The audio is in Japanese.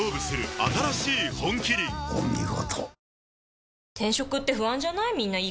お見事。